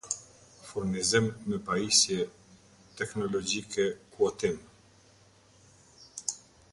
Furnizim me pajisje teknologjikekoutim